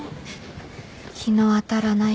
日の当たらない恋か